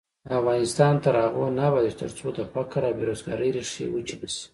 افغانستان تر هغو نه ابادیږي، ترڅو د فقر او بې روزګارۍ ریښې وچې نشي.